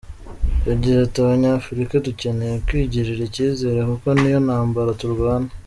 Yagize ati “Abanyafurika dukeneye kwigirira icyizere kuko niyo ntambara turwana.